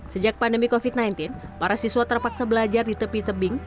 sejak pandemi covid sembilan belas para siswa terpaksa belajar di tepi tebing